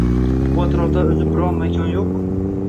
Bu atrofda o‘zi biron makon yo‘q.